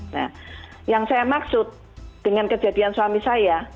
nah yang saya maksud dengan kejadian suami saya